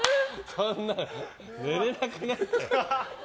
そんな寝れなくなっちゃう。